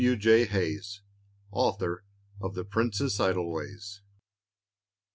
W. J. HAYS, AUTHOR OF "THE PRINCESS IDLEWAYS."